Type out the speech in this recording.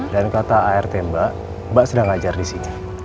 dan kata art mbak mbak sedang ngajar di sini